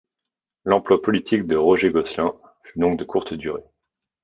L’emploi politique de Roger Gosselin fut donc de courte durée.